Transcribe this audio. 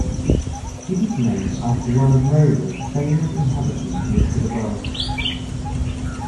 It is named after one of Mola's famous inhabitants listed above.